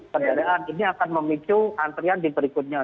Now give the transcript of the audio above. kendaraan ini akan memicu antrian di berikutnya